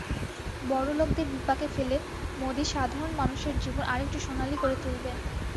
বড়লোকদের বিপাকে ফেলে মোদি সাধারণ মানুষের জীবন আরেকটু সোনালি করে তুলবেন।